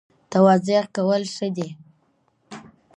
تواضع کول ښه دي